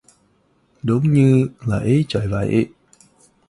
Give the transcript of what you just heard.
Đúng như là ý trời vậy